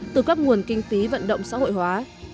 từ các nguồn kinh phí vận động xã hội hóa